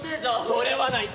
それはない。